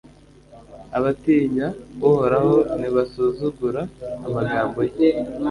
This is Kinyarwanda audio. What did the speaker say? abatinya uhoraho ntibasuzugura amagambo ye